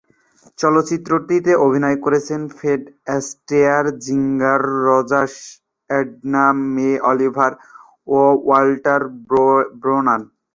চলচ্চিত্রটিতে অভিনয় করেছেন Fred Astaire, Ginger Rogers, Edna May Oliver ও ওয়াল্টার ব্রেনান।